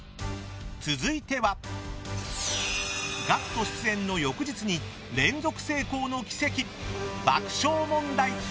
続いてはＧＡＣＫＴ出演の翌日に連続成功の奇跡、爆笑問題。